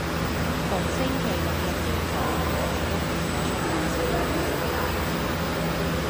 逢星期六日朝早，我哋都定咗出街食